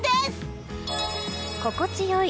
心地よい。